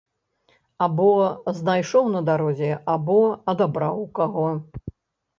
Або знайшоў на дарозе, або адабраў у каго.